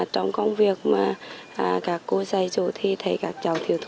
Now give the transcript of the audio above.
trong công việc mà các cô dạy rồi thì thầy các cháu thì